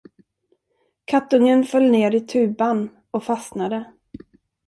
Kattungen föll ner i tuban och fastnade.